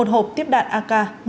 một hộp tiếp đạn ak